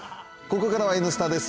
ここからは「Ｎスタ」です。